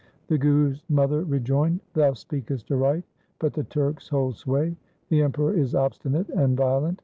The Guru's mother rejoined, 'Thou speakest aright, but the Turks hold sway. /The Emperor is obstinate and violent.